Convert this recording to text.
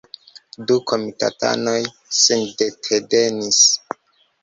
Du komitatanoj sintedetenis.